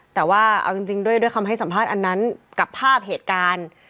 แต่ว่าเอาจริงด้วยคำให้สัมภาษณ์อันนั้นกับภาพเหตุการณ์